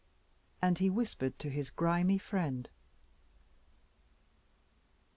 And he whispered to his grimy friend.